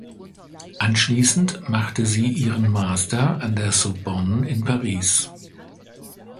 Anschließend machte sie ihren Master an der Sorbonne in Paris.